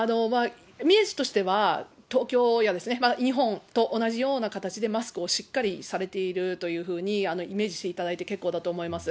イメージとしては、東京や日本と同じような形でマスクをしっかりされているというふうにイメージしていただいて結構だと思います。